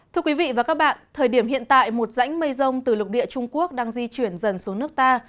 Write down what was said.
thưa quý vị và các bạn thời điểm hiện tại một rãnh mây rông từ lục địa trung quốc đang di chuyển dần xuống nước ta